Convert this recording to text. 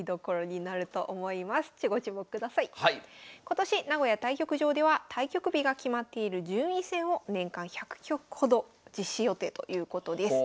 今年名古屋対局場では対局日が決まっている順位戦を年間１００局ほど実施予定ということです。